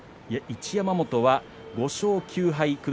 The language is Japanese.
一山本は５勝９敗です。